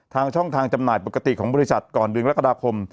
ช่องทางจำหน่ายปกติของบริษัทก่อนเดือนกรกฎาคม